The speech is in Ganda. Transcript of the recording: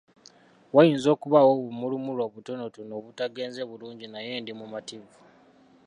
Wayinza okubaawo obumulumulu obutonotono obutagenze bulungi naye ndi mumativu.